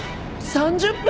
３０分！？